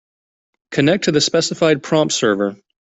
Connect to the specified prompt server.